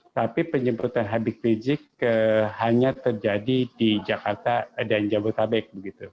tapi penyemputan habib rizik hanya terjadi di jakarta dan jabodetabek